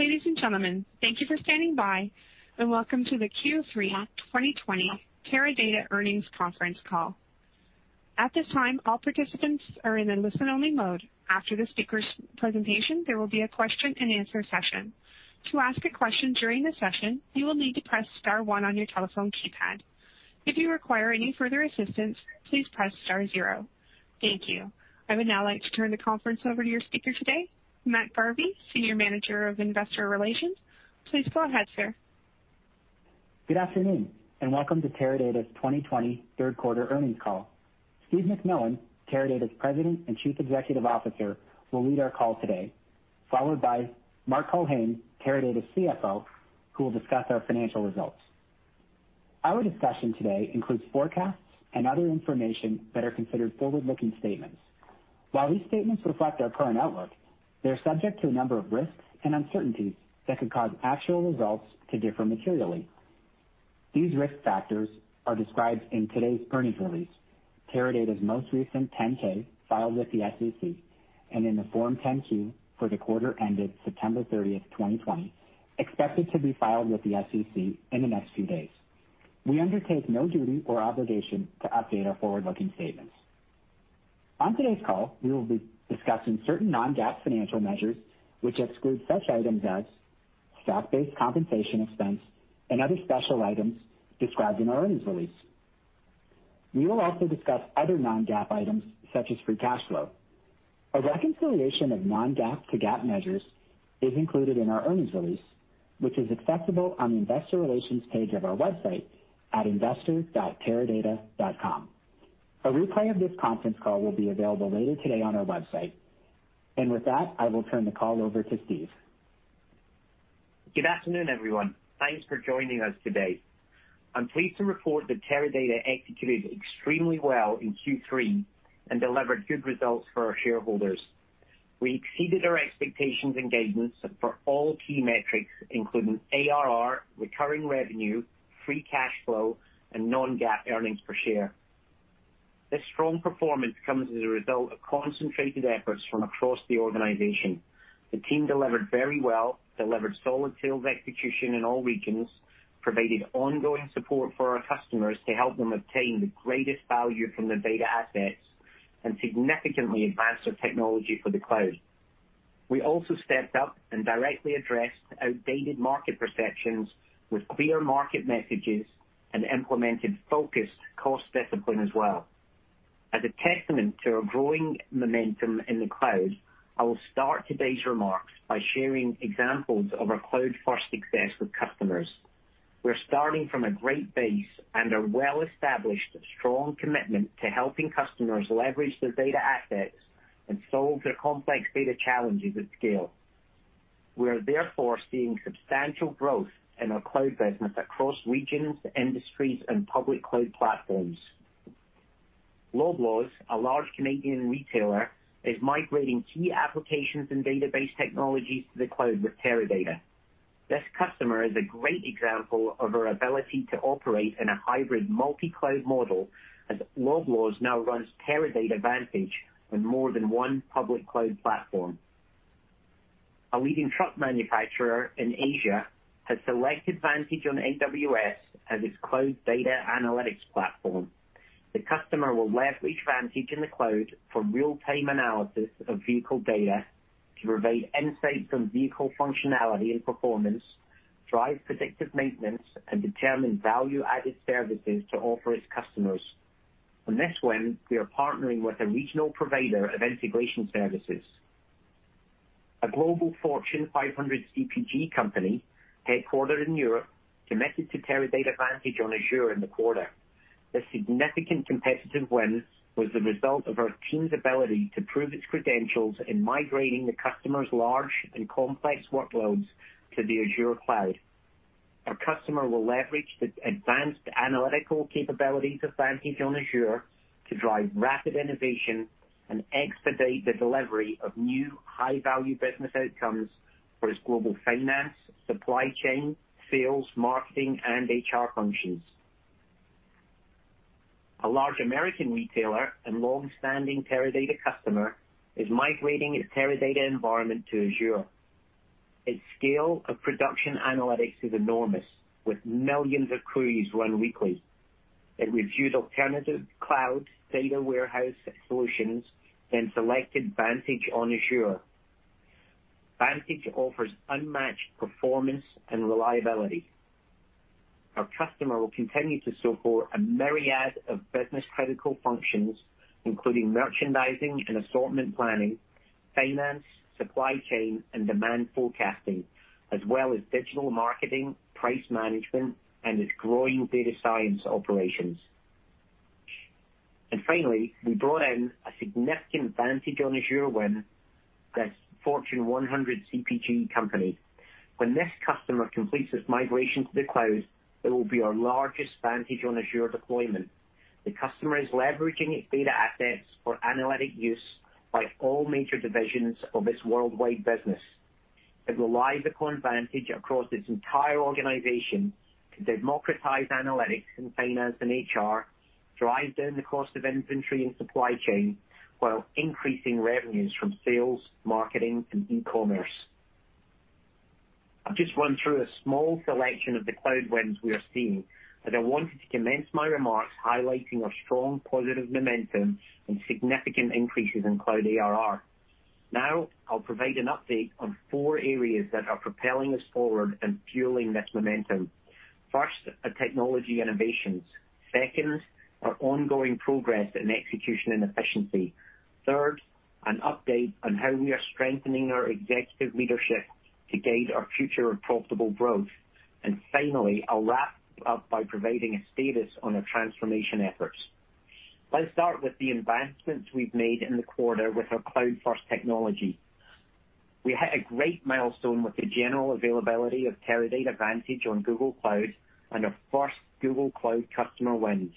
Ladies and gentlemen, thank you for standing by, and welcome to the Q3 2020 Teradata Earnings Conference Call. At this time, all participants are in a listen-only mode. After the speakers' presentation, there will be a question and answer session. To ask a question during the session, you will need to press star one on your telephone keypad. If you require any further assistance, please press star zero. Thank you. I would now like to turn the conference over to your speaker today, Matt Garvie, Senior Manager of Investor Relations. Please go ahead, sir. Good afternoon, and welcome to Teradata's 2020 third quarter earnings call. Steve McMillan, Teradata's President and Chief Executive Officer, will lead our call today, followed by Mark Culhane, Teradata's CFO, who will discuss our financial results. Our discussion today includes forecasts and other information that are considered forward-looking statements. While these statements reflect our current outlook, they are subject to a number of risks and uncertainties that could cause actual results to differ materially. These risk factors are described in today's earnings release, Teradata's most recent 10-K filed with the SEC, and in the Form 10-Q for the quarter ended September 30th, 2020, expected to be filed with the SEC in the next few days. We undertake no duty or obligation to update our forward-looking statements. On today's call, we will be discussing certain non-GAAP financial measures which exclude such items as stock-based compensation expense and other special items described in our earnings release. We will also discuss other non-GAAP items such as free cash flow. A reconciliation of non-GAAP to GAAP measures is included in our earnings release, which is accessible on the investor relations page of our website at investors.teradata.com. A replay of this conference call will be available later today on our website. With that, I will turn the call over to Steve. Good afternoon, everyone. Thanks for joining us today. I'm pleased to report that Teradata executed extremely well in Q3 and delivered good results for our shareholders. We exceeded our expectations and guidance for all key metrics, including ARR, recurring revenue, free cash flow, and non-GAAP earnings per share. This strong performance comes as a result of concentrated efforts from across the organization. The team delivered very well, delivered solid sales execution in all regions, provided ongoing support for our customers to help them obtain the greatest value from their data assets, and significantly advanced our technology for the cloud. We also stepped up and directly addressed outdated market perceptions with clear market messages and implemented focused cost discipline as well. As a testament to our growing momentum in the cloud, I will start today's remarks by sharing examples of our cloud-first success with customers. We're starting from a great base and a well-established strong commitment to helping customers leverage their data assets and solve their complex data challenges at scale. We are therefore seeing substantial growth in our cloud business across regions, industries, and public cloud platforms. Loblaw, a large Canadian retailer, is migrating key applications and database technologies to the cloud with Teradata. This customer is a great example of our ability to operate in a hybrid multi-cloud model, as Loblaw now runs Teradata Vantage on more than one public cloud platform. A leading truck manufacturer in Asia has selected Vantage on AWS as its cloud data analytics platform. The customer will leverage Vantage in the cloud for real-time analysis of vehicle data to provide insights on vehicle functionality and performance, drive predictive maintenance, and determine value-added services to offer its customers. On this win, we are partnering with a regional provider of integration services. A global Fortune 500 CPG company headquartered in Europe committed to Teradata Vantage on Azure in the quarter. This significant competitive win was the result of our team's ability to prove its credentials in migrating the customer's large and complex workloads to the Azure cloud. Our customer will leverage the advanced analytical capabilities of Vantage on Azure to drive rapid innovation and expedite the delivery of new high-value business outcomes for its global finance, supply chain, sales, marketing, and HR functions. A large American retailer and long-standing Teradata customer is migrating its Teradata environment to Azure. Its scale of production analytics is enormous, with millions of queries run weekly. It reviewed alternative cloud data warehouse solutions, then selected Vantage on Azure. Vantage offers unmatched performance and reliability. Our customer will continue to support a myriad of business-critical functions, including merchandising and assortment planning, finance, supply chain, and demand forecasting, as well as digital marketing, price management, and its growing data science operations. Finally, we brought in a significant Vantage on Azure win with a Fortune 100 CPG company. When this customer completes its migration to the cloud, it will be our largest Vantage on Azure deployment. The customer is leveraging its data assets for analytic use by all major divisions of its worldwide business. It relies upon Vantage across its entire organization to democratize analytics in finance and HR, drive down the cost of inventory and supply chain while increasing revenues from sales, marketing, and e-commerce. I've just run through a small selection of the cloud wins we are seeing, but I wanted to commence my remarks highlighting our strong positive momentum and significant increases in cloud ARR. Now, I'll provide an update on four areas that are propelling us forward and fueling this momentum. First, our technology innovations. Second, our ongoing progress in execution and efficiency. Third, an update on how we are strengthening our executive leadership to guide our future of profitable growth. Finally, I'll wrap up by providing a status on our transformation efforts. Let's start with the advancements we've made in the quarter with our cloud-first technology. We hit a great milestone with the general availability of Teradata Vantage on Google Cloud and our first Google Cloud customer wins.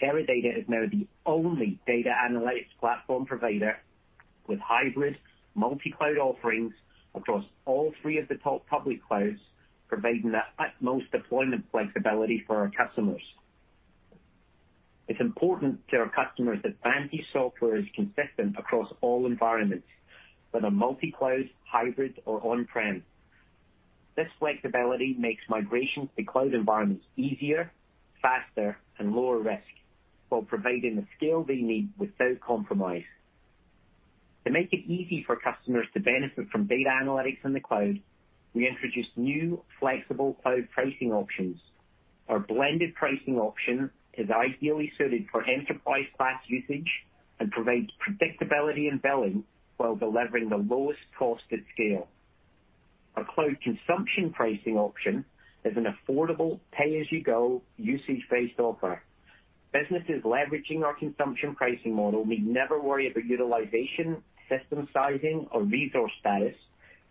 Teradata is now the only data analytics platform provider with hybrid multi-cloud offerings across all three of the top public clouds, providing the utmost deployment flexibility for our customers. It's important to our customers that Vantage software is consistent across all environments, whether multi-cloud, hybrid, or on-prem. This flexibility makes migration to cloud environments easier, faster, and lower risk while providing the scale they need without compromise. To make it easy for customers to benefit from data analytics in the cloud, we introduced new flexible cloud pricing options. Our blended pricing option is ideally suited for enterprise class usage and provides predictability in billing while delivering the lowest cost at scale. Our cloud consumption pricing option is an affordable pay-as-you-go usage-based offer. Businesses leveraging our consumption pricing model need never worry about utilization, system sizing, or resource status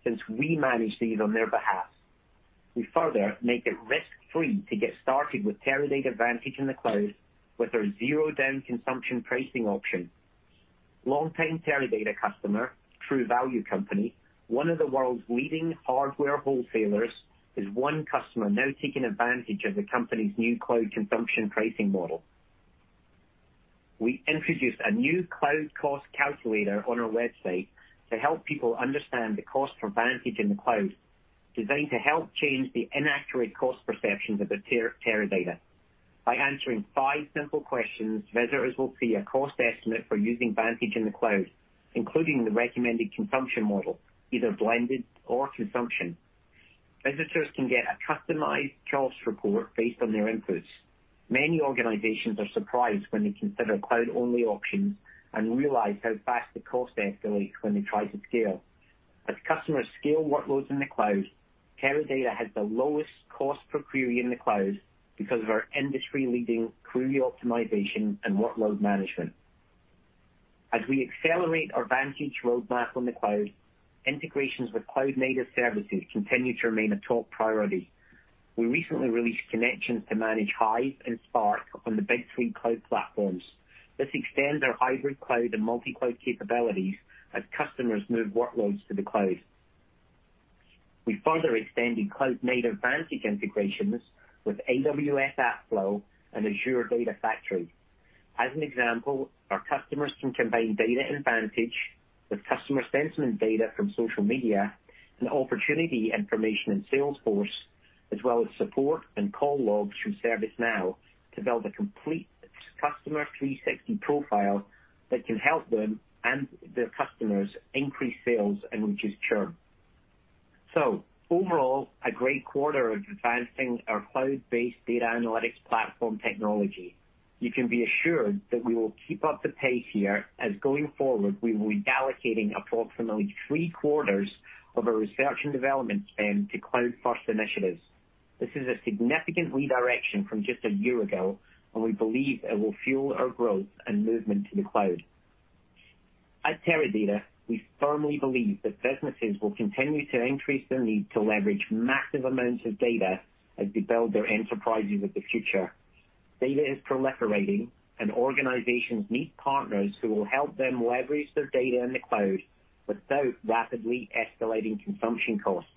since we manage these on their behalf. We further make it risk-free to get started with Teradata Vantage in the cloud with our zero down consumption pricing option. Long-time Teradata customer, True Value Company, one of the world's leading hardware wholesalers, is one customer now taking advantage of the company's new cloud consumption pricing model. We introduced a new cloud cost calculator on our website to help people understand the cost for Vantage in the cloud, designed to help change the inaccurate cost perceptions of Teradata. By answering five simple questions, visitors will see a cost estimate for using Vantage in the cloud, including the recommended consumption model, either blended or consumption. Visitors can get a customized cost report based on their inputs. Many organizations are surprised when they consider cloud-only options and realize how fast the costs escalate when they try to scale. As customers scale workloads in the cloud, Teradata has the lowest cost per query in the cloud because of our industry-leading query optimization and workload management. As we accelerate our Vantage roadmap on the cloud, integrations with cloud-native services continue to remain a top priority. We recently released connections to manage Hive and Spark on the big three cloud platforms. This extends our hybrid cloud and multi-cloud capabilities as customers move workloads to the cloud. We further extended cloud-native Vantage integrations with AWS AppFlow and Azure Data Factory. As an example, our customers can combine data and Vantage with customer sentiment data from social media and opportunity information in Salesforce, as well as support and call logs from ServiceNow to build a complete customer 360 profile that can help them and their customers increase sales and reduce churn. Overall, a great quarter of advancing our cloud-based data analytics platform technology. You can be assured that we will keep up the pace here as going forward, we will be allocating approximately three-quarters of our research and development spend to cloud-first initiatives. This is a significant redirection from just a year ago, and we believe it will fuel our growth and movement to the cloud. At Teradata, we firmly believe that businesses will continue to increase their need to leverage massive amounts of data as they build their enterprises of the future. Data is proliferating, and organizations need partners who will help them leverage their data in the cloud without rapidly escalating consumption costs.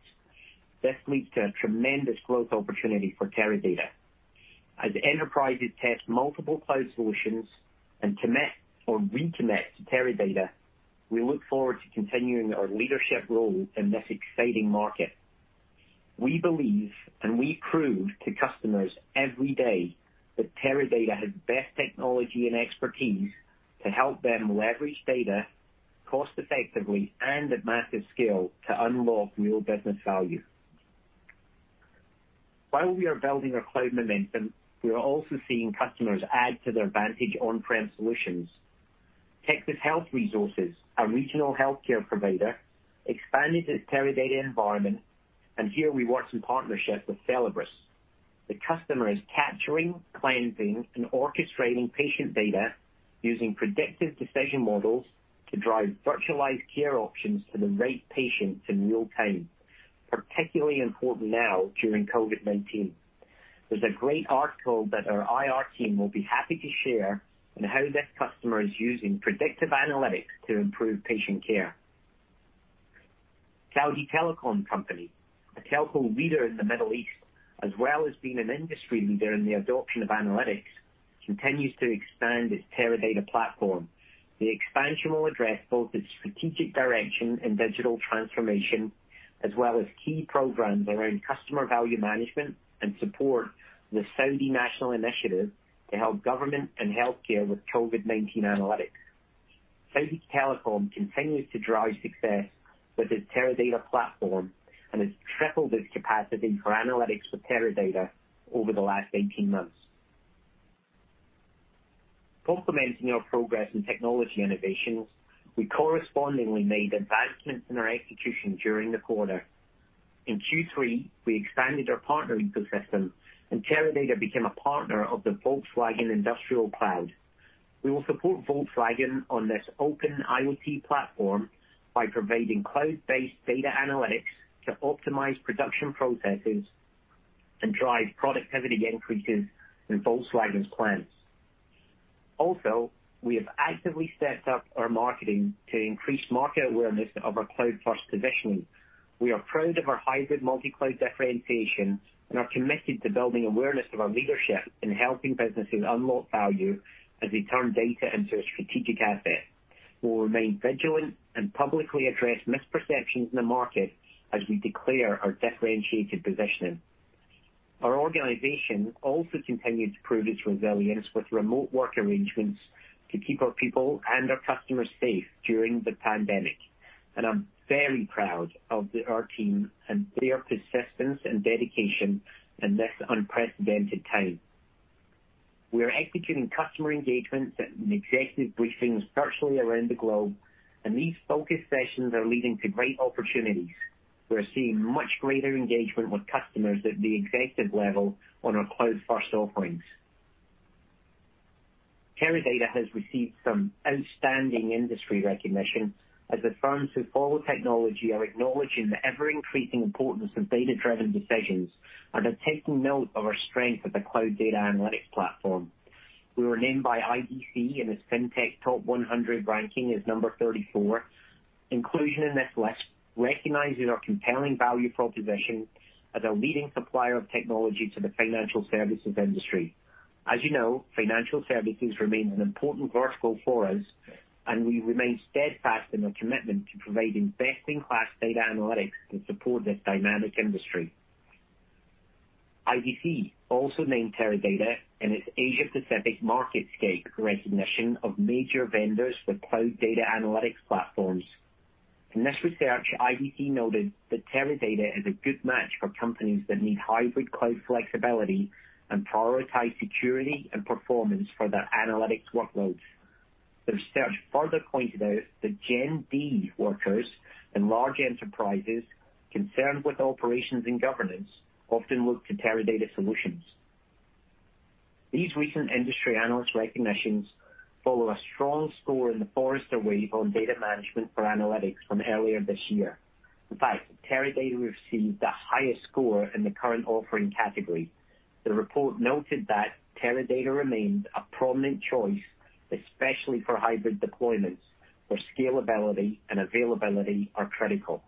This leads to a tremendous growth opportunity for Teradata. As enterprises test multiple cloud solutions and commit or recommit to Teradata, we look forward to continuing our leadership role in this exciting market. We believe, and we prove to customers every day, that Teradata has best technology and expertise to help them leverage data cost effectively and at massive scale to unlock real business value. While we are building our cloud momentum, we are also seeing customers add to their Vantage on-prem solutions. Texas Health Resources, a regional healthcare provider, expanded its Teradata environment, and here we worked in partnership with Celebrus. The customer is capturing, cleansing, and orchestrating patient data using predictive decision models to drive virtualized care options to the right patients in real time. Particularly important now during COVID-19. There's a great article that our IR team will be happy to share on how this customer is using predictive analytics to improve patient care. Saudi Telecom Company, a telco leader in the Middle East, as well as being an industry leader in the adoption of analytics, continues to expand its Teradata platform. The expansion will address both its strategic direction in digital transformation as well as key programs around customer value management and support the Saudi national initiative to help government and healthcare with COVID-19 analytics. Saudi Telecom continues to drive success with its Teradata platform and has tripled its capacity for analytics with Teradata over the last 18 months. Complementing our progress in technology innovations, we correspondingly made advancements in our execution during the quarter. In Q3, we expanded our partner ecosystem, and Teradata became a partner of the Volkswagen Industrial Cloud. We will support Volkswagen on this open IoT platform by providing cloud-based data analytics to optimize production processes and drive productivity increases in Volkswagen's plants. We have actively stepped up our marketing to increase market awareness of our cloud-first positioning. We are proud of our hybrid multi-cloud differentiation and are committed to building awareness of our leadership in helping businesses unlock value as they turn data into a strategic asset. We will remain vigilant and publicly address misperceptions in the market as we declare our differentiated positioning. Our organization also continued to prove its resilience with remote work arrangements to keep our people and our customers safe during the pandemic, and I'm very proud of our team and their persistence and dedication in this unprecedented time. We are executing customer engagements and executive briefings virtually around the globe, and these focus sessions are leading to great opportunities. We are seeing much greater engagement with customers at the executive level on our cloud-first offerings. Teradata has received some outstanding industry recognition as the firms who follow technology are acknowledging the ever-increasing importance of data-driven decisions and are taking note of our strength of the cloud data analytics platform. We were named by IDC in its Fintech Top 100 ranking as number 34. Inclusion in this list recognizes our compelling value proposition as a leading supplier of technology to the financial services industry. As you know, financial services remains an important vertical for us, and we remain steadfast in our commitment to providing best-in-class data analytics to support this dynamic industry. IDC also named Teradata in its Asia-Pacific MarketScape recognition of major vendors for cloud data analytics platforms. In this research, IDC noted that Teradata is a good match for companies that need hybrid cloud flexibility and prioritize security and performance for their analytics workloads. The research further pointed out that Gen Z workers in large enterprises concerned with operations and governance often look to Teradata solutions. These recent industry analyst recognitions follow a strong score in the Forrester Wave on data management for analytics from earlier this year. In fact, Teradata received the highest score in the current offering category. The report noted that Teradata remains a prominent choice, especially for hybrid deployments, where scalability and availability are critical.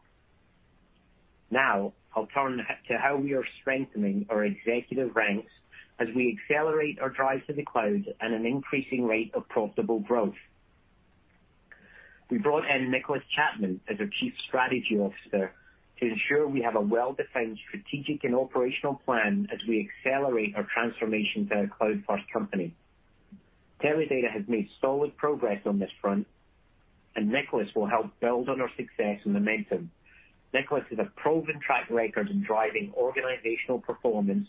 Now, I'll turn to how we are strengthening our executive ranks as we accelerate our drive to the cloud at an increasing rate of profitable growth. We brought in Nicolas Chapman as our Chief Strategy Officer to ensure we have a well-defined strategic and operational plan as we accelerate our transformation to a cloud-first company. Teradata has made solid progress on this front, Nicolas will help build on our success and momentum. Nicolas has a proven track record in driving organizational performance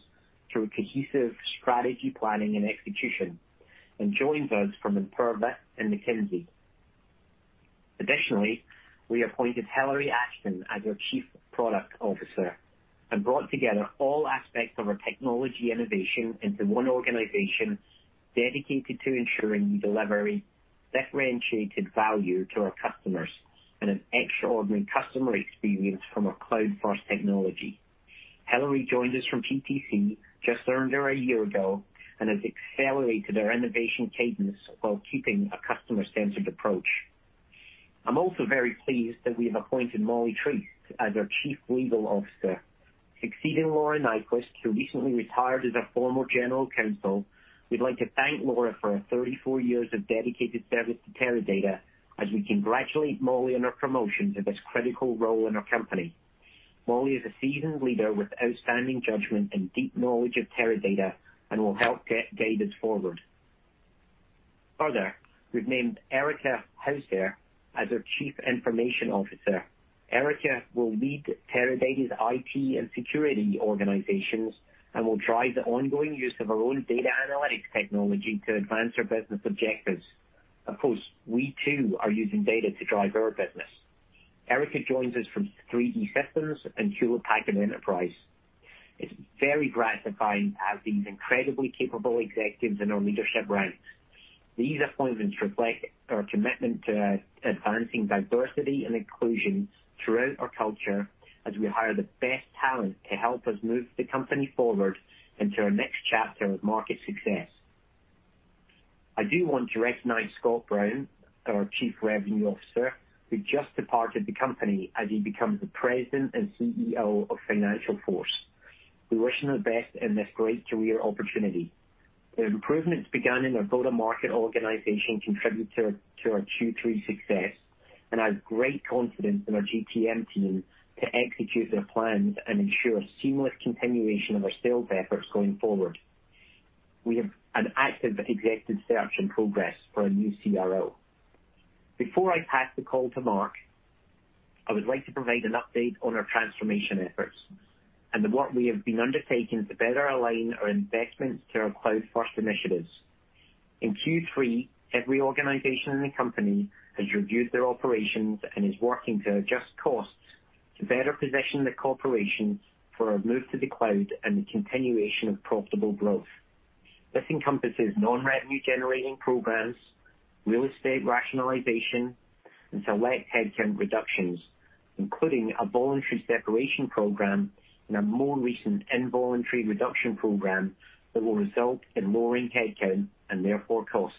through cohesive strategy planning and execution and joins us from Imperva and McKinsey. Additionally, we appointed Hillary Ashton as our Chief Product Officer and brought together all aspects of our technology innovation into one organization dedicated to ensuring we deliver differentiated value to our customers and an extraordinary customer experience from our cloud-first technology. Hillary joined us from PTC just under a year ago has accelerated our innovation cadence while keeping a customer-centered approach. I'm also very pleased that we have appointed Molly Treese as our Chief Legal Officer, succeeding Laura Nyquist, who recently retired as our former General Counsel. We'd like to thank Laura for her 34 years of dedicated service to Teradata as we congratulate Molly on her promotion to this critical role in our company. Molly is a seasoned leader with outstanding judgment and deep knowledge of Teradata and will help guide us forward. Further, we've named Erica Hausheer as our Chief Information Officer. Erica will lead Teradata's IT and security organizations and will drive the ongoing use of our own data analytics technology to advance our business objectives. Of course, we too are using data to drive our business. Erica joins us from 3D Systems and Hewlett Packard Enterprise. It's very gratifying to have these incredibly capable executives in our leadership ranks. These appointments reflect our commitment to advancing diversity and inclusion throughout our culture as we hire the best talent to help us move the company forward into our next chapter of market success. I do want to recognize Scott Brown, our Chief Revenue Officer, who just departed the company as he becomes the President and CEO of FinancialForce. We wish him the best in this great career opportunity. The improvements begun in our go-to-market organization contributed to our Q3 success, and I have great confidence in our GTM team to execute their plans and ensure seamless continuation of our sales efforts going forward. We have an active executive search in progress for a new CRO. Before I pass the call to Mark, I would like to provide an update on our transformation efforts and the work we have been undertaking to better align our investments to our cloud-first initiatives. In Q3, every organization in the company has reviewed their operations and is working to adjust costs to better position the corporation for a move to the cloud and the continuation of profitable growth. This encompasses non-revenue generating programs, real estate rationalization, and select headcount reductions, including a voluntary separation program and a more recent involuntary reduction program that will result in lowering headcount and therefore costs.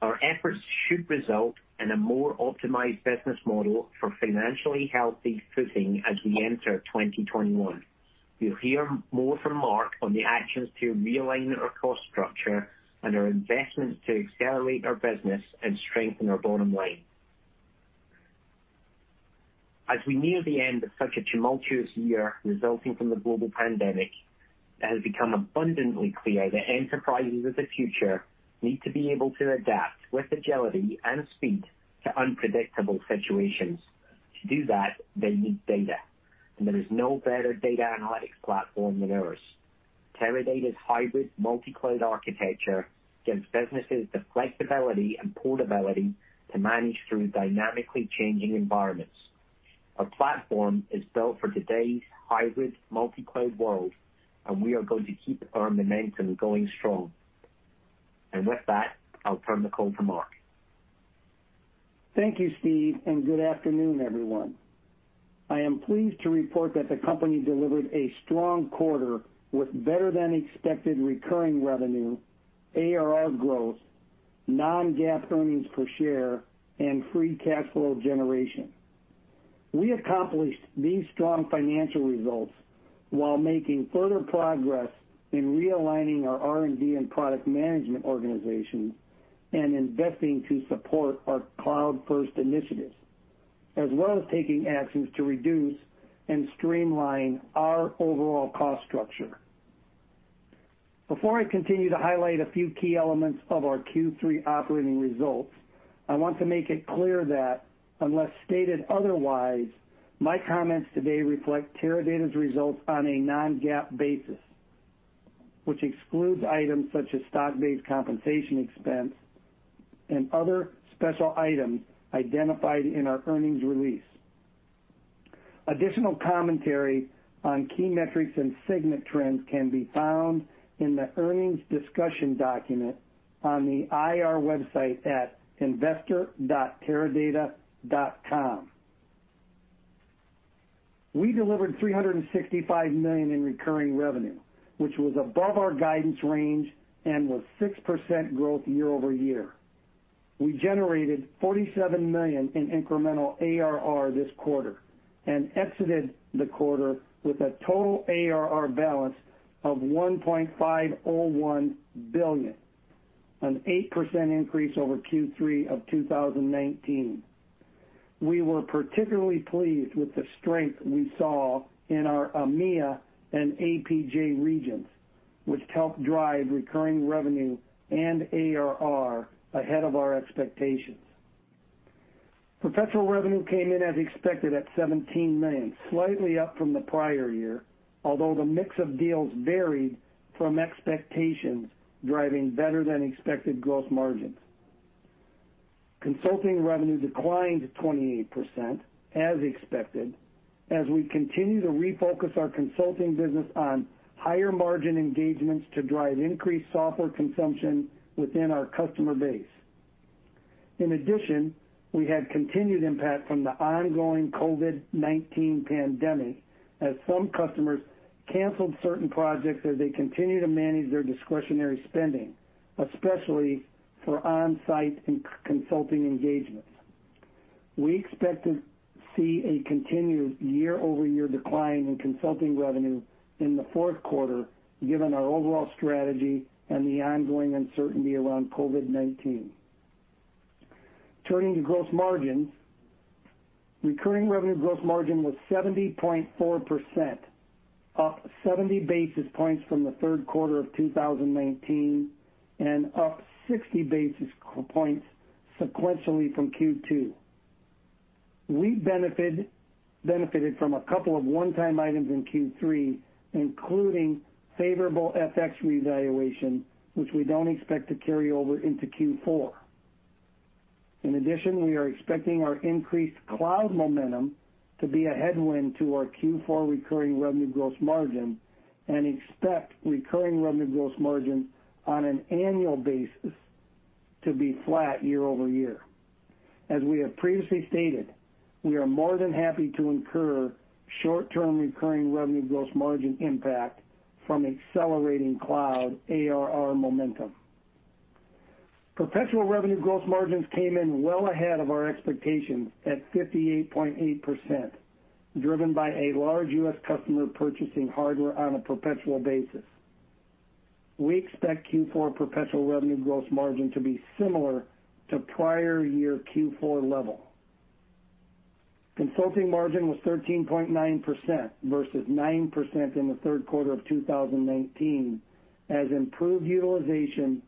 Our efforts should result in a more optimized business model for financially healthy footing as we enter 2021. You'll hear more from Mark on the actions to realign our cost structure and our investments to accelerate our business and strengthen our bottom line. As we near the end of such a tumultuous year resulting from the global pandemic, it has become abundantly clear that enterprises of the future need to be able to adapt with agility and speed to unpredictable situations. To do that, they need data, there is no better data analytics platform than ours. Teradata's hybrid multi-cloud architecture gives businesses the flexibility and portability to manage through dynamically changing environments. Our platform is built for today's hybrid multi-cloud world, we are going to keep our momentum going strong. With that, I'll turn the call to Mark. Thank you, Steve, and good afternoon, everyone. I am pleased to report that the company delivered a strong quarter with better than expected recurring revenue, ARR growth, non-GAAP EPS, and free cash flow generation. We accomplished these strong financial results while making further progress in realigning our R&D and product management organization and investing to support our cloud-first initiatives, as well as taking actions to reduce and streamline our overall cost structure. Before I continue to highlight a few key elements of our Q3 operating results, I want to make it clear that unless stated otherwise, my comments today reflect Teradata's results on a non-GAAP basis, which excludes items such as stock-based compensation expense and other special items identified in our earnings release. Additional commentary on key metrics and segment trends can be found in the earnings discussion document on the IR website at investor.teradata.com. We delivered $365 million in recurring revenue, which was above our guidance range and was 6% growth year-over-year. We generated $47 million in incremental ARR this quarter and exited the quarter with a total ARR balance of $1.501 billion, an 8% increase over Q3 of 2019. We were particularly pleased with the strength we saw in our EMEA and APJ regions, which helped drive recurring revenue and ARR ahead of our expectations. Professional revenue came in as expected at $17 million, slightly up from the prior year, although the mix of deals varied from expectations, driving better than expected gross margins. Consulting revenue declined 28%, as expected, as we continue to refocus our consulting business on higher margin engagements to drive increased software consumption within our customer base. In addition, we had continued impact from the ongoing COVID-19 pandemic as some customers canceled certain projects as they continue to manage their discretionary spending, especially for on-site and consulting engagements. We expect to see a continued year-over-year decline in consulting revenue in the fourth quarter given our overall strategy and the ongoing uncertainty around COVID-19. Turning to gross margins, recurring revenue gross margin was 70.4%, up 70 basis points from the third quarter of 2019 and up 60 basis points sequentially from Q2. We benefited from a couple of one-time items in Q3, including favorable FX revaluation, which we don't expect to carry over into Q4. In addition, we are expecting our increased cloud momentum to be a headwind to our Q4 recurring revenue gross margin and expect recurring revenue gross margin on an annual basis to be flat year-over-year. We have previously stated, we are more than happy to incur short-term recurring revenue gross margin impact from accelerating cloud ARR momentum. Perpetual revenue gross margins came in well ahead of our expectations at 58.8%, driven by a large U.S. customer purchasing hardware on a perpetual basis. We expect Q4 perpetual revenue gross margin to be similar to prior year Q4 level. Consulting margin was 13.9% versus 9% in the third quarter of 2019, as improved utilization,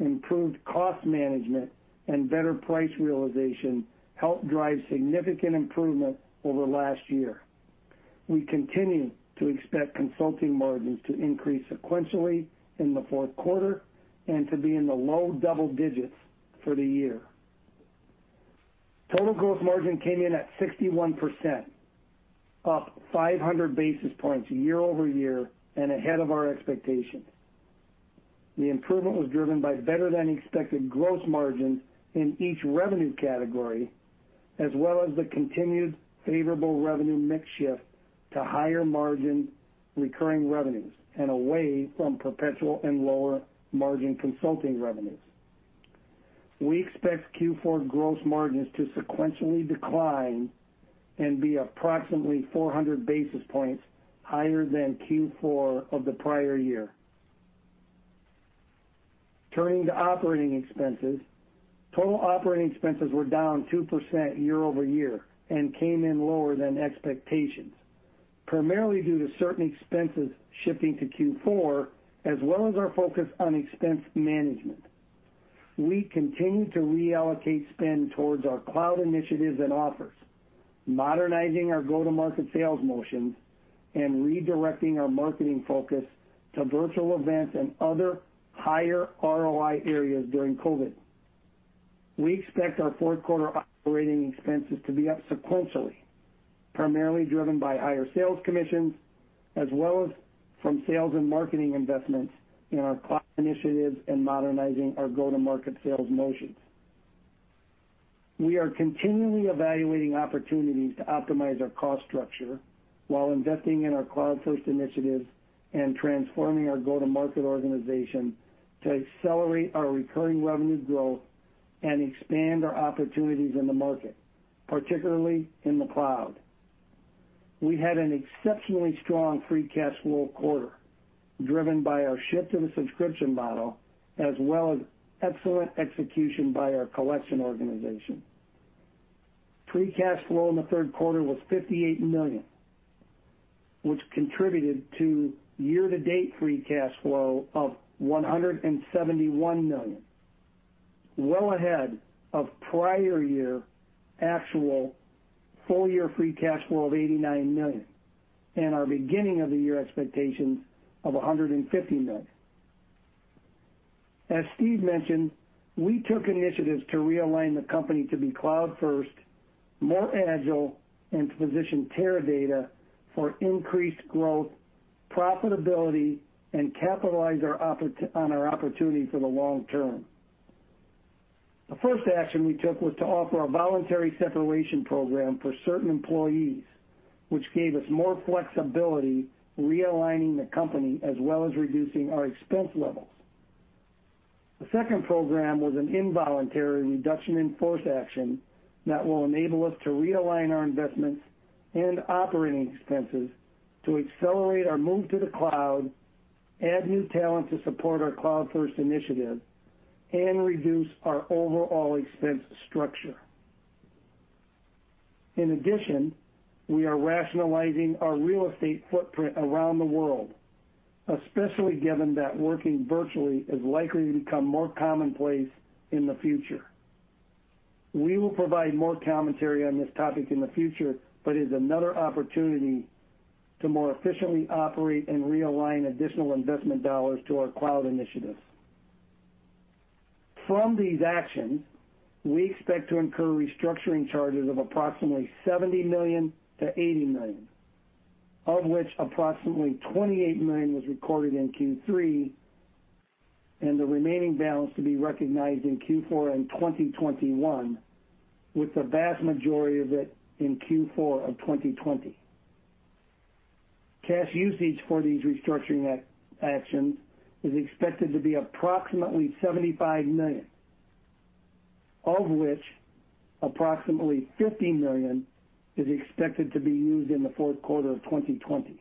improved cost management, and better price realization helped drive significant improvement over last year. We continue to expect consulting margins to increase sequentially in the fourth quarter and to be in the low double digits for the year. Total gross margin came in at 61%, up 500 basis points year-over-year and ahead of our expectation. The improvement was driven by better than expected gross margins in each revenue category, as well as the continued favorable revenue mix shift to higher margin recurring revenues and away from perpetual and lower margin consulting revenues. We expect Q4 gross margins to sequentially decline and be approximately 400 basis points higher than Q4 of the prior year. Turning to operating expenses. Total operating expenses were down 2% year-over-year and came in lower than expectations, primarily due to certain expenses shifting to Q4, as well as our focus on expense management. We continue to reallocate spend towards our cloud initiatives and offers, modernizing our go-to-market sales motions, and redirecting our marketing focus to virtual events and other higher ROI areas during COVID. We expect our fourth quarter operating expenses to be up sequentially, primarily driven by higher sales commissions as well as from sales and marketing investments in our cloud initiatives and modernizing our go-to-market sales motions. We are continually evaluating opportunities to optimize our cost structure while investing in our cloud-first initiatives and transforming our go-to-market organization to accelerate our recurring revenue growth and expand our opportunities in the market, particularly in the cloud. We had an exceptionally strong free cash flow quarter, driven by our shift to the subscription model, as well as excellent execution by our collection organization. Free cash flow in the third quarter was $58 million, which contributed to year-to-date free cash flow of $171 million, well ahead of prior year actual full-year free cash flow of $89 million. Our beginning of the year expectations of $150 million. As Steve mentioned, we took initiatives to realign the company to be cloud first, more agile, and to position Teradata for increased growth, profitability, and capitalize on our opportunity for the long term. The first action we took was to offer a voluntary separation program for certain employees, which gave us more flexibility realigning the company, as well as reducing our expense levels. The second program was an involuntary reduction in force action that will enable us to realign our investments and operating expenses to accelerate our move to the cloud, add new talent to support our cloud-first initiative, and reduce our overall expense structure. In addition, we are rationalizing our real estate footprint around the world, especially given that working virtually is likely to become more commonplace in the future. We will provide more commentary on this topic in the future, but it is another opportunity to more efficiently operate and realign additional investment dollars to our cloud initiatives. From these actions, we expect to incur restructuring charges of approximately $70 million-$80 million, of which approximately $28 million was recorded in Q3, and the remaining balance to be recognized in Q4 and 2021, with the vast majority of it in Q4 of 2020. Cash usage for these restructuring actions is expected to be approximately $75 million, of which approximately $50 million is expected to be used in the fourth quarter of 2020.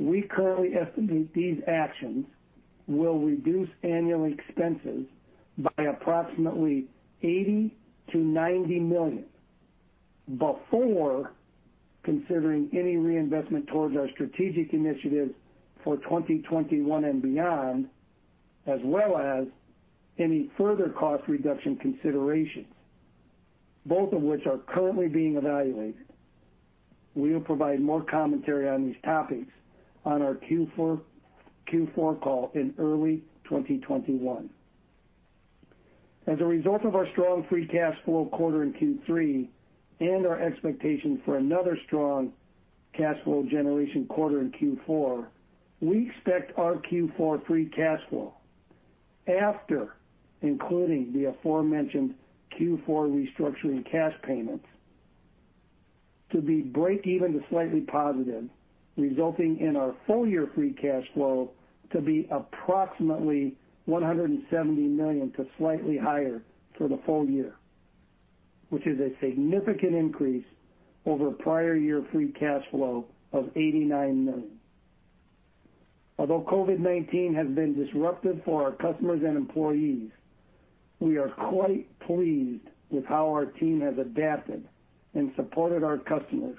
We currently estimate these actions will reduce annual expenses by approximately $80 million-$90 million before considering any reinvestment towards our strategic initiatives for 2021 and beyond, as well as any further cost reduction considerations, both of which are currently being evaluated. We will provide more commentary on these topics on our Q4 call in early 2021. As a result of our strong free cash flow quarter in Q3 and our expectation for another strong cash flow generation quarter in Q4, we expect our Q4 free cash flow after including the aforementioned Q4 restructuring cash payments to be breakeven to slightly positive, resulting in our full-year free cash flow to be approximately $170 million to slightly higher for the full year, which is a significant increase over prior year free cash flow of $89 million. Although COVID-19 has been disruptive for our customers and employees, we are quite pleased with how our team has adapted and supported our customers,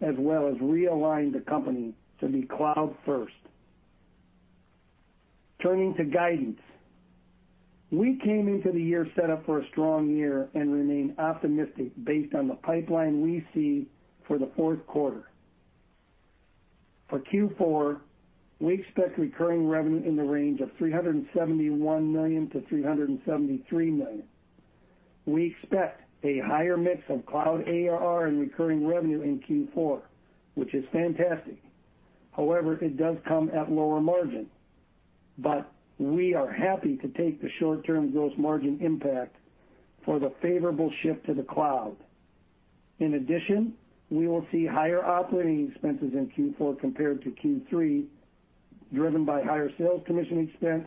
as well as realigned the company to be cloud first. Turning to guidance. We came into the year set up for a strong year and remain optimistic based on the pipeline we see for the fourth quarter. For Q4, we expect recurring revenue in the range of $371 million-$373 million. We expect a higher mix of cloud ARR and recurring revenue in Q4, which is fantastic. It does come at lower margin. We are happy to take the short-term gross margin impact for the favorable shift to the cloud. In addition, we will see higher operating expenses in Q4 compared to Q3, driven by higher sales commission expense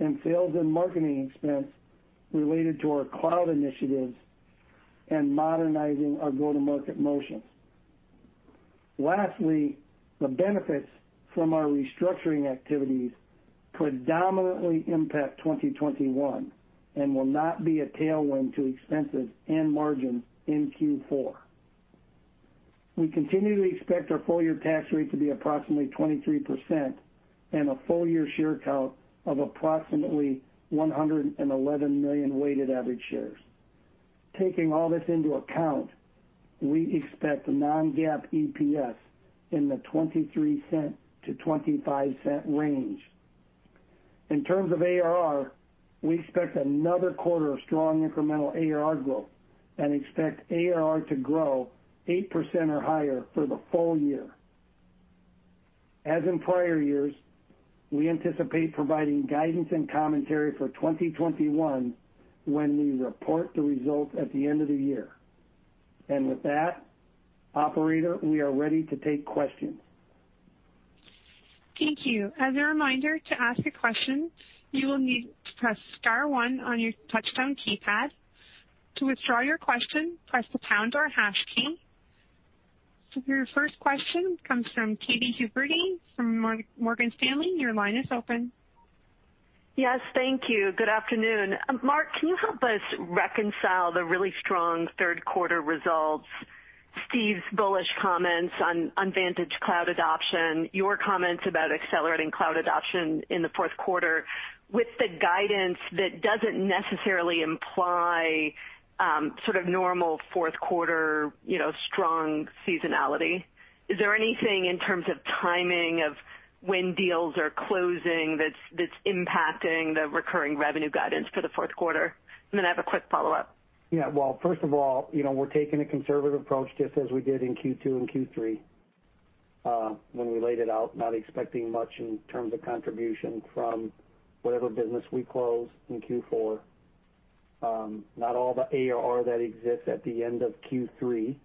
and sales and marketing expense related to our cloud initiatives and modernizing our go-to-market motions. Lastly, the benefits from our restructuring activities predominantly impact 2021 and will not be a tailwind to expenses and margin in Q4. We continue to expect our full year tax rate to be approximately 23% and a full year share count of approximately 111 million weighted average shares. Taking all this into account, we expect non-GAAP EPS in the $0.23-$0.25 range. In terms of ARR, we expect another quarter of strong incremental ARR growth and expect ARR to grow 8% or higher for the full year. As in prior years, we anticipate providing guidance and commentary for 2021 when we report the results at the end of the year. With that, operator, we are ready to take questions. Thank you. As a reminder, to ask a question, you will need to press star one on your touchtone keypad. To withdraw your question, press the pound or hash key. Your first question comes from Katy Huberty from Morgan Stanley. Your line is open. Yes, thank you. Good afternoon. Mark, can you help us reconcile the really strong third quarter results, Steve's bullish comments on Vantage cloud adoption, your comments about accelerating cloud adoption in the fourth quarter with the guidance that doesn't necessarily imply sort of normal fourth quarter strong seasonality? Is there anything in terms of timing of when deals are closing that's impacting the recurring revenue guidance for the fourth quarter? I have a quick follow-up. Yeah. Well, first of all, we're taking a conservative approach just as we did in Q2 and Q3, when we laid it out, not expecting much in terms of contribution from whatever business we close in Q4. Not all the ARR that exists at the end of Q3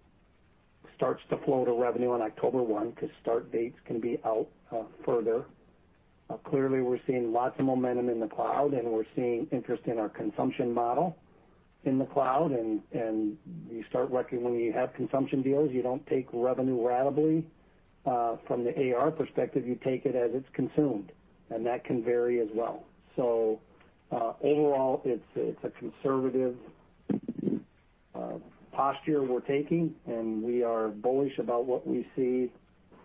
starts to flow to revenue on October 1 because start dates can be out further. Clearly, we're seeing lots of momentum in the cloud, and we're seeing interest in our consumption model in the cloud, and you start recognizing when you have consumption deals, you don't take revenue ratably. From the AR perspective, you take it as it's consumed, and that can vary as well. Overall, it's a conservative posture we're taking, and we are bullish about what we see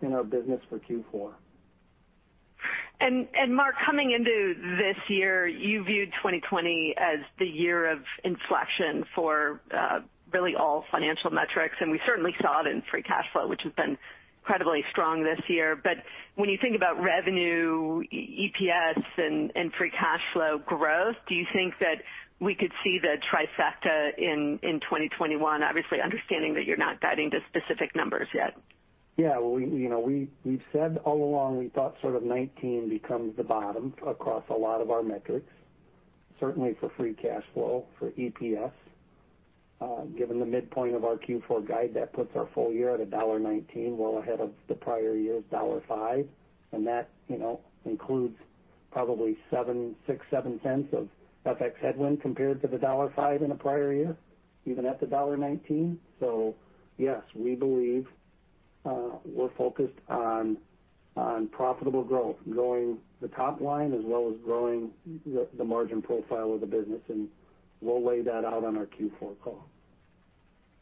in our business for Q4. Mark, coming into this year, you viewed 2020 as the year of inflection for really all financial metrics, and we certainly saw it in free cash flow, which has been incredibly strong this year. When you think about revenue, EPS, and free cash flow growth, do you think that we could see the trifecta in 2021, obviously understanding that you're not guiding to specific numbers yet? We've said all along we thought sort of 2019 becomes the bottom across a lot of our metrics, certainly for free cash flow, for EPS. Given the midpoint of our Q4 guide, that puts our full year at $1.19, well ahead of the prior year's $1.05, and that includes probably $0.6, $0.7 of FX headwind compared to the $1.05 in the prior year, even at the $1.19. Yes, we believe we're focused on profitable growth, growing the top line as well as growing the margin profile of the business, and we'll lay that out on our Q4 call.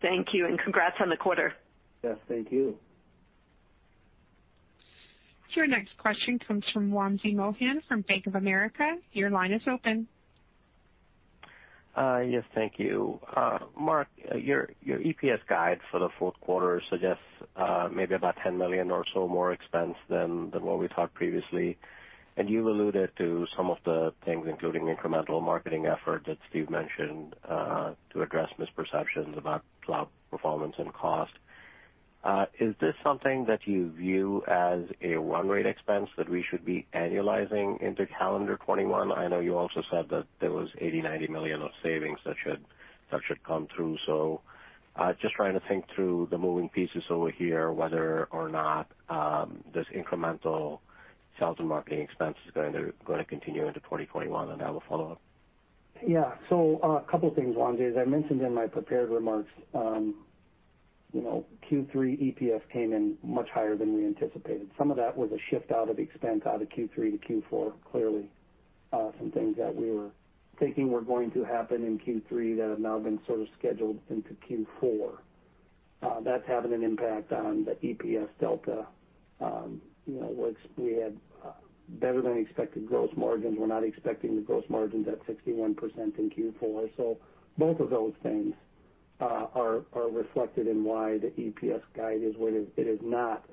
Thank you, and congrats on the quarter. Yes, thank you. Your next question comes from Wamsi Mohan from Bank of America. Your line is open. Yes, thank you. Mark, your EPS guide for the fourth quarter suggests maybe about $10 million or so more expense than what we talked previously. You've alluded to some of the things, including incremental marketing effort that Steve mentioned, to address misperceptions about cloud performance and cost. Is this something that you view as a run rate expense that we should be annualizing into calendar 2021? I know you also said that there was $80 million-$90 million of savings that should come through. Just trying to think through the moving pieces over here, whether or not this incremental sales and marketing expense is going to continue into 2021, and I will follow up. Yeah. A couple things, Wamsi. As I mentioned in my prepared remarks, Q3 EPS came in much higher than we anticipated. Some of that was a shift out of expense out of Q3 to Q4, clearly. Some things that we were thinking were going to happen in Q3 that have now been sort of scheduled into Q4. That's having an impact on the EPS delta. We had better than expected gross margins. We're not expecting the gross margins at 61% in Q4. Both of those things are reflected in why the EPS guide is what it is not.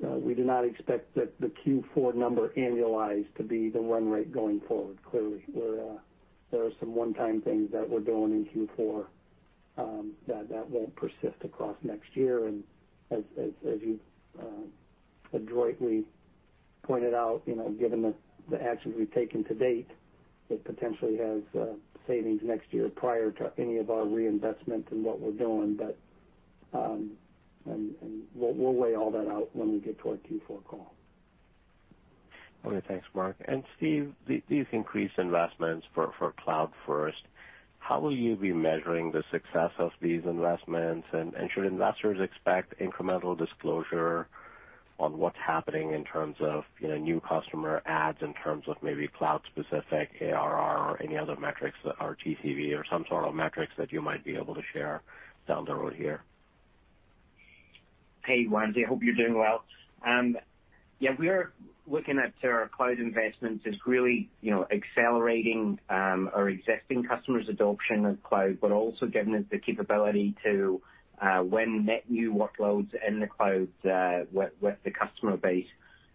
We do not expect that the Q4 number annualized to be the run rate going forward. Clearly, there are some one-time things that we're doing in Q4 that won't persist across next year. As you've adroitly pointed out, given the actions we've taken to date, it potentially has savings next year prior to any of our reinvestment in what we're doing. We'll weigh all that out when we get to our Q4 call. Okay. Thanks, Mark. Steve, these increased investments for Cloud First, how will you be measuring the success of these investments? Should investors expect incremental disclosure on what's happening in terms of new customer adds, in terms of maybe cloud specific ARR or any other metrics, or TCV, or some sort of metrics that you might be able to share down the road here? Hey, Juan. I hope you're doing well. Yeah, we're looking at Teradata Cloud investments as really accelerating our existing customers' adoption of cloud, but also giving us the capability to win net new workloads in the cloud with the customer base.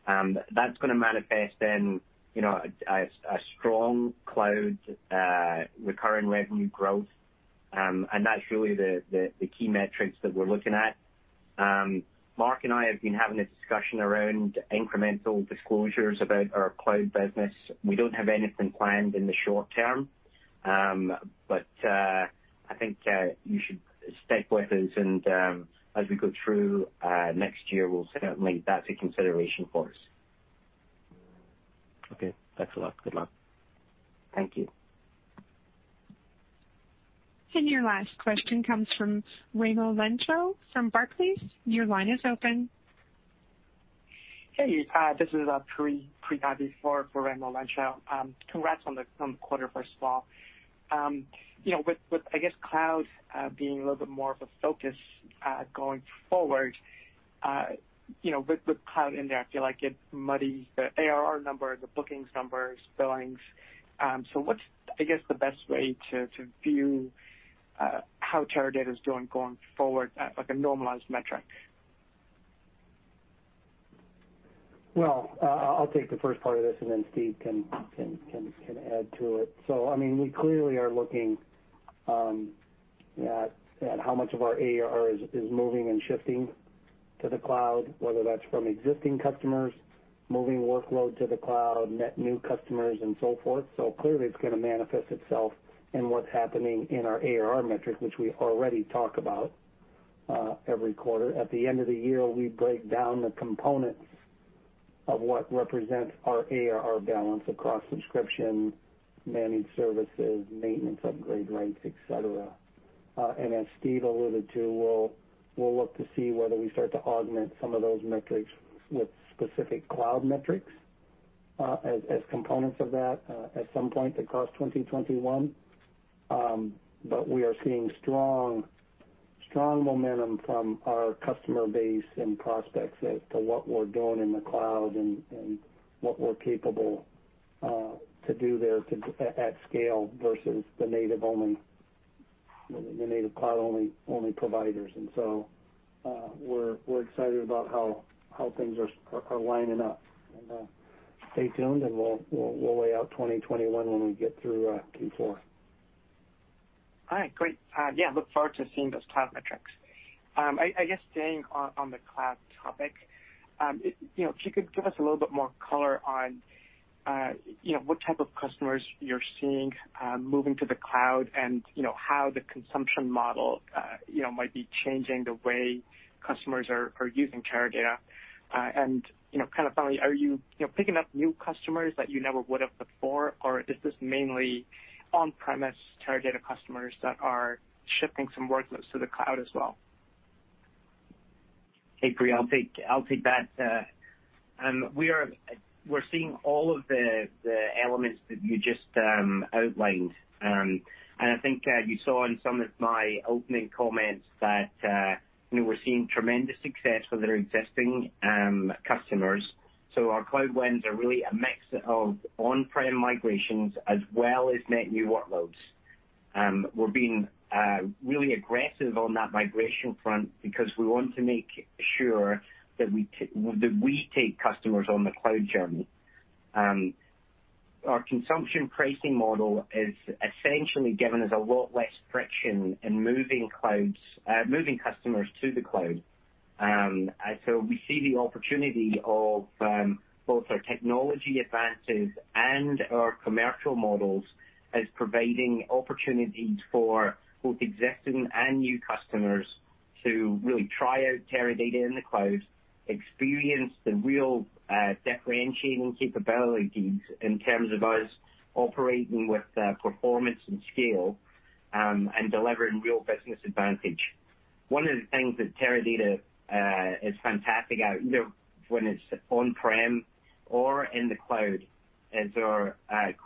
That's going to manifest in a strong cloud recurring revenue growth, that's really the key metrics that we're looking at. Mark and I have been having a discussion around incremental disclosures about our cloud business. We don't have anything planned in the short term. I think you should stick with us, as we go through next year, we'll certainly make that a consideration for us. Okay. Thanks a lot. Good luck. Thank you. Your last question comes from Raimo Lenschow from Barclays. Your line is open. Hey, this is Pri Gadi for Raimo Lenschow. Congrats on the quarter, first of all. With, I guess, cloud being a little bit more of a focus going forward, with cloud in there, I feel like it muddies the ARR number, the bookings numbers, billings. What's, I guess, the best way to view how Teradata's doing going forward, like a normalized metric? I'll take the first part of this, and then Steve can add to it. We clearly are looking at how much of our ARR is moving and shifting to the cloud, whether that's from existing customers moving workload to the cloud, net new customers, and so forth. Clearly it's going to manifest itself in what's happening in our ARR metric, which we already talk about every quarter. At the end of the year, we break down the components of what represents our ARR balance across subscription, managed services, maintenance upgrade rates, et cetera. As Steve alluded to, we'll look to see whether we start to augment some of those metrics with specific cloud metrics as components of that at some point across 2021. We are seeing strong momentum from our customer base and prospects as to what we're doing in the cloud and what we're capable to do there at scale versus the native cloud-only providers. We're excited about how things are lining up. Stay tuned, and we'll weigh out 2021 when we get through Q4. All right. Great. Yeah, look forward to seeing those cloud metrics. I guess staying on the cloud topic, if you could give us a little bit more color on what type of customers you're seeing moving to the cloud and how the consumption model might be changing the way customers are using Teradata? Kind of finally, are you picking up new customers that you never would have before, or is this mainly on-premise Teradata customers that are shifting some workloads to the cloud as well? Hey, Pri. I'll take that. We're seeing all of the elements that you just outlined. I think you saw in some of my opening comments that we're seeing tremendous success with our existing customers. Our cloud wins are really a mix of on-prem migrations as well as net new workloads. We're being really aggressive on that migration front because we want to make sure that we take customers on the cloud journey. Our consumption pricing model has essentially given us a lot less friction in moving customers to the cloud. We see the opportunity of both our technology advances and our commercial models as providing opportunities for both existing and new customers to really try out Teradata in the cloud, experience the real differentiating capabilities in terms of us operating with performance and scale, and delivering real business advantage. One of the things that Teradata is fantastic at, either when it's on-prem or in the cloud, is our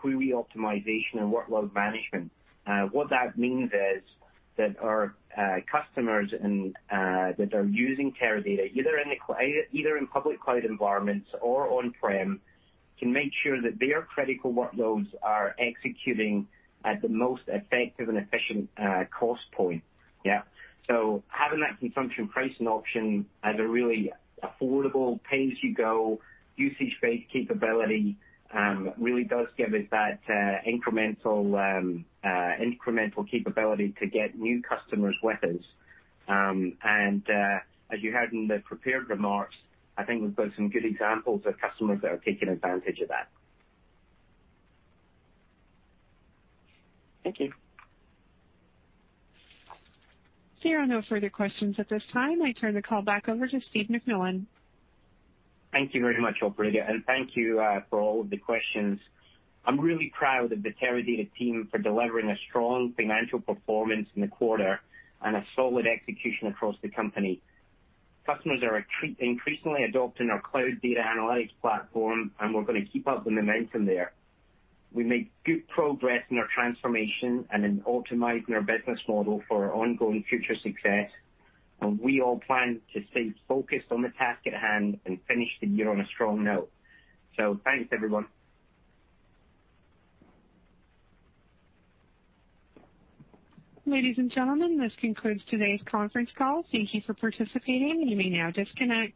query optimization and workload management. What that means is that our customers that are using Teradata, either in public cloud environments or on-prem, can make sure that their critical workloads are executing at the most effective and efficient cost point. Yeah. Having that consumption pricing option as a really affordable pay-as-you-go usage-based capability really does give us that incremental capability to get new customers with us. As you heard in the prepared remarks, I think we've got some good examples of customers that are taking advantage of that. Thank you. There are no further questions at this time. I turn the call back over to Steve McMillan. Thank you very much, operator, and thank you for all of the questions. I'm really proud of the Teradata team for delivering a strong financial performance in the quarter and a solid execution across the company. Customers are increasingly adopting our cloud data analytics platform, and we're going to keep up the momentum there. We made good progress in our transformation and in optimizing our business model for our ongoing future success, and we all plan to stay focused on the task at hand and finish the year on a strong note. Thanks, everyone. Ladies and gentlemen, this concludes today's conference call. Thank you for participating. You may now disconnect.